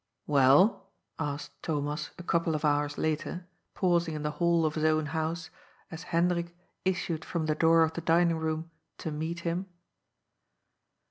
*' Well ?*' asked Thomas a couple of honrs later, pang ing in the hall of his own house as Hendrik issued from the door of the dining room to meet him.